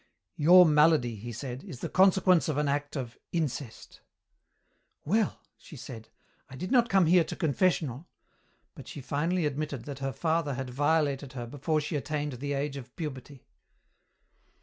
"'Your malady,' he said, 'is the consequence of an act of incest.' "'Well,' she said, 'I did not come here to confessional,' but she finally admitted that her father had violated her before she attained the age of puberty.